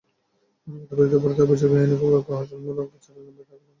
মানবতাবিরোধী অপরাধের অভিযোগ এনে প্রহসনমূলক বিচারের নামে তাঁকে হত্যা করা হয়।